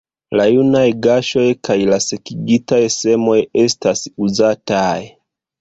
La junaj guŝoj kaj la sekigitaj semoj estas uzataj.